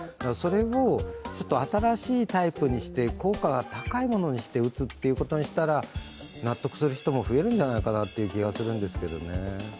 それを新しいタイプにして効果が高いものにして打つということにしたら納得する人も増えるんじゃないかなという気がするんですけどね。